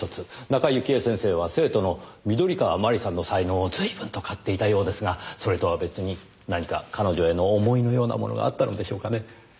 中井雪絵先生は生徒の緑川万里さんの才能を随分と買っていたようですがそれとは別に何か彼女への思いのようなものがあったのでしょうかね？